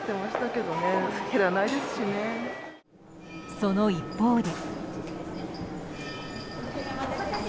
その一方で。